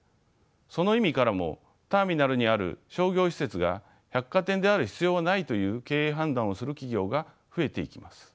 その意味からもターミナルにある商業施設が百貨店である必要はないという経営判断をする企業が増えていきます。